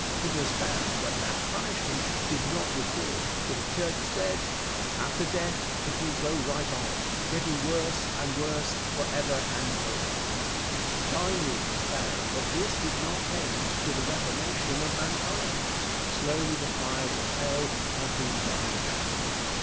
It was found that that punishment did not reform, so the church said: "After death it will go right on, getting worse and worse, forever and forever." Finally it was found that this did not tend to the reformation of mankind. Slowly the fires of hell have been dying out.